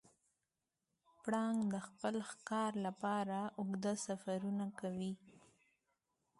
پړانګ د خپل ښکار لپاره اوږده سفرونه کوي.